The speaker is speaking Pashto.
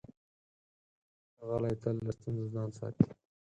غلی، تل له ستونزو ځان ساتي.